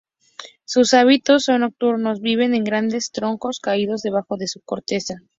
Sus hábitos son nocturnos, viven en grandes troncos caídos, debajo de su corteza.